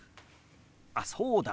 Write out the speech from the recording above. あっそうだ！